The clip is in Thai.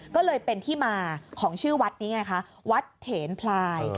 ก็เลยเป็นที่มาของชื่อวัดนี้ไงคะวัดเถนพลาย